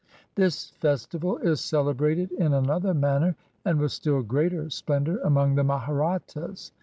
This festival is celebrated in another manner, and with still greater splendor, among the Mahrattas.